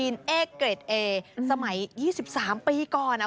นานมากเลยว่ะ